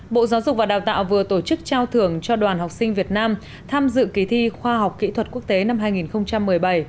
bộ giáo dục và đào tạo vừa tổ chức trao thưởng cho đoàn học sinh việt nam tham dự kỳ thi khoa học kỹ thuật quốc tế năm hai nghìn một mươi bảy